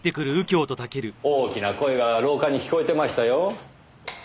大きな声が廊下に聞こえてましたよ。